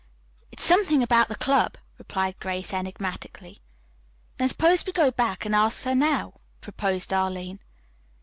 "It is something about the club," replied Grace enigmatically. "Then suppose we go back and ask her now," proposed Arline.